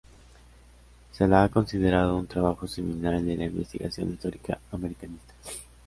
Se la ha considerado un trabajo seminal de la investigación histórica americanista.